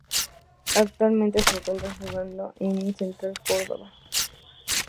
Actualmente, se encuentra jugando en Central Córdoba.